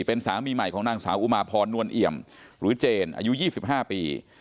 เป็นสามีใหม่ของนางสาวอุมาพรนวลเอี่ยมหรือเจนอายุ๒๕ปี